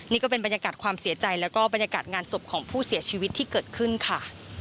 นี่ก็เป็นบรรยากาศความเสียใจแล้วก็บรรยากาศงานศพของผู้เสียชีวิตที่เกิดขึ้นค่ะ